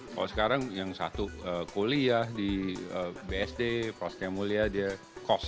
kalau sekarang yang satu kuliah di bsd prostia mulia dia kos